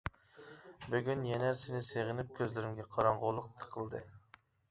بۈگۈن يەنە سېنى سېغىنىپ كۆزلىرىمگە قاراڭغۇلۇق تىقىلدى.